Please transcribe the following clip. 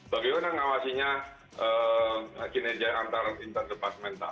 bagaimana ngawasinya kinerja antar interdepasmental